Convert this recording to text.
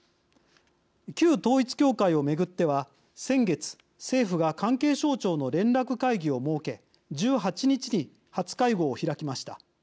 旧統一教会を巡っては先月、政府が関係省庁の連絡会議を設け１８日に初会合を開きました。